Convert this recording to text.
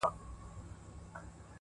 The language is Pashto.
• یو ناڅاپه یو ماشوم راغی له پاسه ,